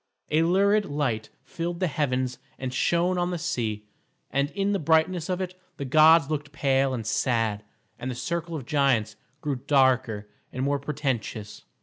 A lurid light filled the heavens and shone on the sea, and in the brightness of it the gods looked pale and sad, and the circle of giants grew darker and more portentous.